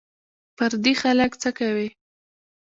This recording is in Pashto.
پردي خلک څه کوې